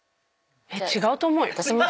違うと思うよ。